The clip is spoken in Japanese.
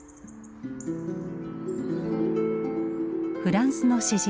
フランスの詩人